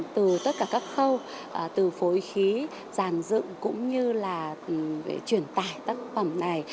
từ tất cả các khâu từ phối khí giàn dựng cũng như là chuyển tài tác phẩm này